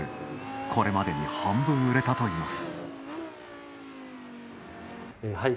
これまでに半分売れたといいます。